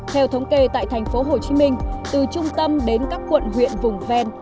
theo thống kê tại thành phố hồ chí minh từ trung tâm đến các quận huyện vùng ven